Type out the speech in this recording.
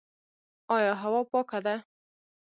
آیا هوا پاکه ده؟